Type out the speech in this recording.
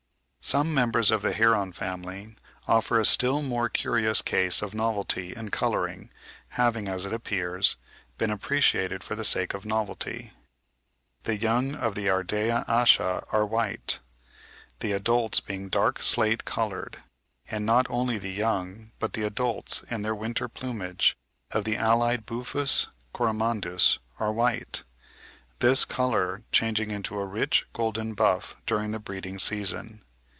Some members of the heron family offer a still more curious case of novelty in colouring having, as it appears, been appreciated for the sake of novelty. The young of the Ardea asha are white, the adults being dark slate coloured; and not only the young, but the adults in their winter plumage, of the allied Buphus coromandus are white, this colour changing into a rich golden buff during the breeding season.